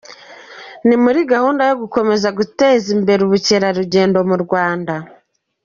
Ni muri gahunda yo gukomeza guteza imbere ubukerarugendo mu Rwanda.